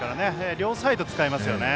両サイド、使えますよね。